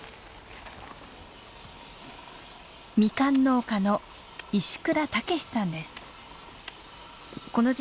ミカン農家の石倉健さんです。